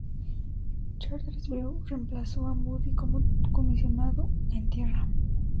Chartres Brew reemplazó a Moody como comisionado en tierra.